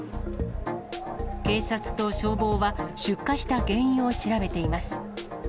警察と消防は、出火した原因を調べています。